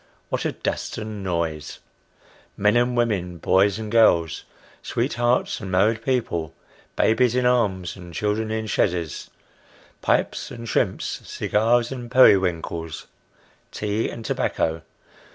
What a dust and noise ! Men and women boys and girls sweethearts and married people babies in arms, and children in chaises pipes and shrimps cigars and periwinkles tea and tobacco.